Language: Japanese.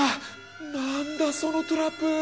なんだそのトラップ！